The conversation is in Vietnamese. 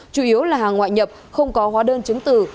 chủ yếu là hàng ngoại nhập không có hóa đơn chứng từ